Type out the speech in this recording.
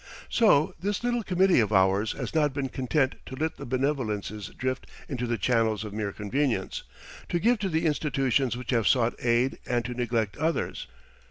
So this little committee of ours has not been content to let the benevolences drift into the channels of mere convenience to give to the institutions which have sought aid and to neglect others.